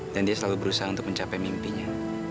dan dia selalu berusaha untuk mencapai mimpinya